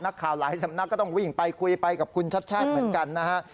นักข่าวหลายสำนักก็ต้องวิ่งไปคุยไปกับคุณชัดชาติเหมือนกันนะฮะ